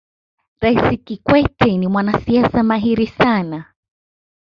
raisi kikwete ni mwanasiasa mahiri sana